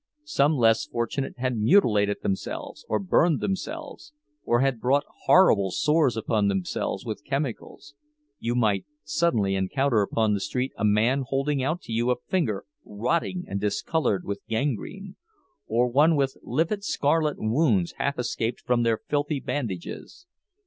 Some less fortunate had mutilated themselves or burned themselves, or had brought horrible sores upon themselves with chemicals; you might suddenly encounter upon the street a man holding out to you a finger rotting and discolored with gangrene—or one with livid scarlet wounds half escaped from their filthy bandages.